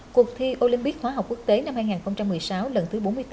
cuộc thi olympic hóa học quốc tế năm hai nghìn một mươi sáu lần thứ bốn mươi tám